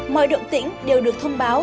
mọi động tĩnh đều được thông báo